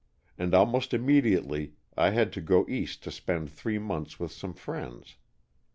And almost immediately I had to go east to spend three months with some friends.